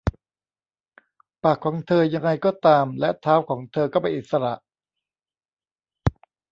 ปากของเธอ ยังไงก็ตาม และเท้าของเธอก็เป็นอิสระ